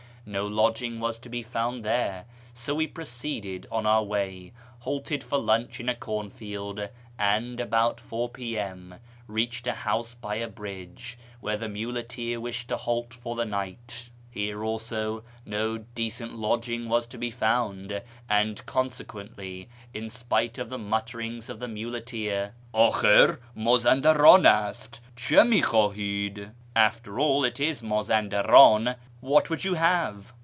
No lodging was to be found there, so we proceeded on our way, halted for lunch in a corn field, and, about 4 p.m., reached a house by a bridge, where the muleteer wished to halt for the night. Here also no decent lodging was to be found, and consequently, in spite of the mutterings of the muleteer, Ahliir Mdzandardn ast : c]i6 mi khiuahid ?"(" After all it is Mazandanin : what would you have